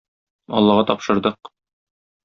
Аллага тапшырдык!